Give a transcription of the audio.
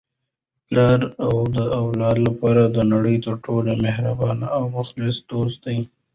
پلار د اولاد لپاره د نړۍ تر ټولو مهربانه او مخلص دوست دی.